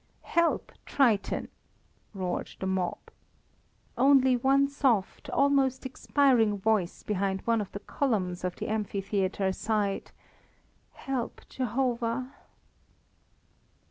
"Help, Triton!" roared the mob. Only one soft, almost expiring voice behind one of the columns of the amphitheatre sighed: "Help, Jehovah!"